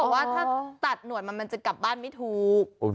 ว่าถ้าตัดหวดมันมันจะกลับบ้านไม่ถูก